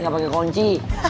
gak pake kunci